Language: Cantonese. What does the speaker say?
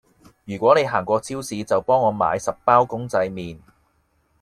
如果你行過超市就幫我買十包公仔麵